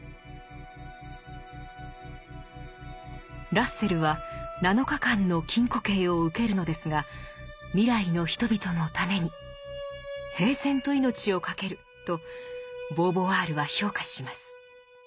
ラッセルは七日間の禁錮刑を受けるのですが未来の人々のために「平然と命をかける」とボーヴォワールは評価します。